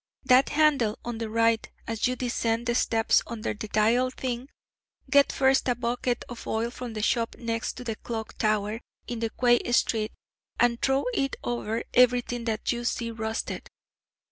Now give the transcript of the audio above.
that handle on the right as you descend the steps under the dial thing get first a bucket of oil from the shop next to the clock tower in the quay street, and throw it over everything that you see rusted.